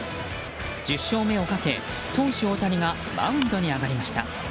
１０勝目をかけ投手・大谷がマウンドに上がりました。